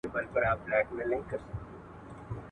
د زده کړې ملاتړ د پلار د ماشومانو لپاره مهم دی.